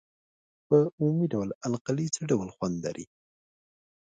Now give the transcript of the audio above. په عمومي توګه القلي څه ډول خوند لري؟